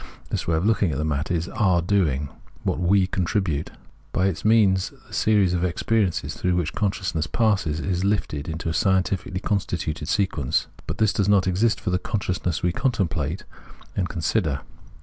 This way of looking at the matter is our doing, what we contribute ; by its means the series of ex periences through which consciousness passes, is lifted into a scientifically constituted sequence, but this does not exist for the consciousness we contemplate and con sider.